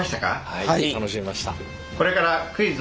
はい楽しめました。